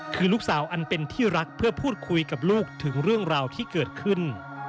คือลูกสาวอันเป็นที่รักเพื่อพูดคุยกับลูกถึงเรื่องราวที่เกิดขึ้น